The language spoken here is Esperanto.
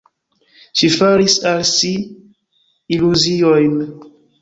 Ŝi faris al si iluziojn.